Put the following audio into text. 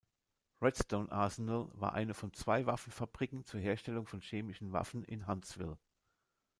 Redstone Arsenal war eine von zwei Waffenfabriken zur Herstellung von chemischen Waffen in Huntsville.